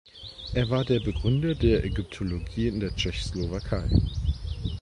Er war der Begründer der Ägyptologie in der Tschechoslowakei.